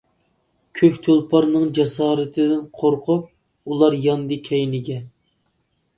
كۆك تۇلپارنىڭ جاسارىتىدىن، قورقۇپ ئۇلار ياندى كەينىگە.